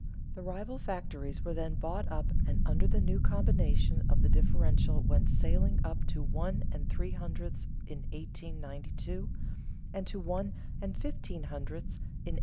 The rival factories were then bought up and under the new combination the differential went sailing up to one and three hundredths in 1892, and to one and fifteen hundredths in 1893.